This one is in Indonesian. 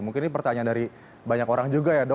mungkin ini pertanyaan dari banyak orang juga ya dok